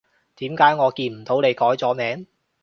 點解我見唔到你改咗名？